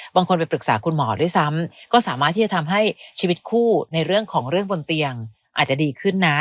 ไปปรึกษาคุณหมอด้วยซ้ำก็สามารถที่จะทำให้ชีวิตคู่ในเรื่องของเรื่องบนเตียงอาจจะดีขึ้นนะ